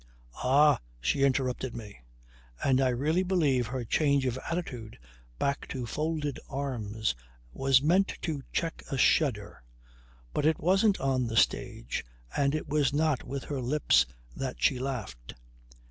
"Ah!" she interrupted me and I really believe her change of attitude back to folded arms was meant to check a shudder. "But it wasn't on the stage, and it was not with her lips that she laughed."